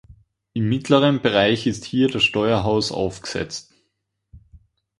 Im mittleren Bereich ist hier das Steuerhaus aufgesetzt.